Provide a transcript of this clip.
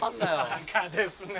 バカですね。